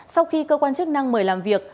sau khi cơ quan chức năng mời làm việc